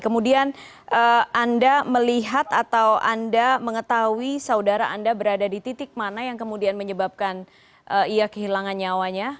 kemudian anda melihat atau anda mengetahui saudara anda berada di titik mana yang kemudian menyebabkan ia kehilangan nyawanya